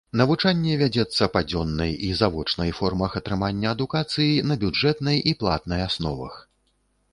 Навучанне вядзецца па дзённай і завочнай формах атрымання адукацыі на бюджэтнай і платнай асновах.